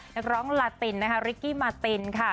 นักร้องราตินริกกี่มาตินค่ะ